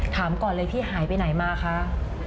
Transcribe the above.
ถามก่อนเลยพี่หายไปไหนมาคะ